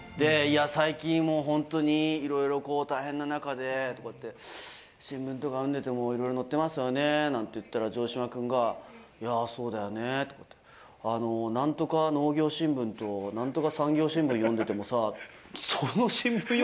最近、いろいろこう、大変な中でとかって、新聞とか読んでても、いろいろ載ってますよねなんて言ったら、城島君が、いやぁ、そうだよねって、なんとか農業新聞となんとか産業新聞読んでてもさって。